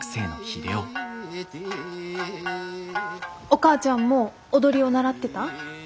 お母ちゃんも踊りを習ってた？